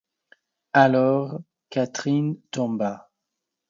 Alors, Catherine tomba.